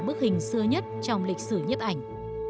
bức hình xưa nhất trong lịch sử nhếp ảnh